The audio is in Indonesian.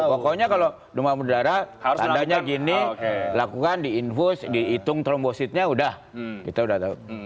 pokoknya kalau demam berdarah tandanya gini lakukan diinfus dihitung trombositnya udah kita udah tahu